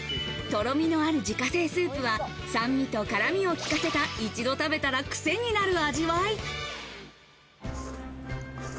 とろみのある自家製スープは酸味と辛みを効かせた、一度食べたらクセになる味わい。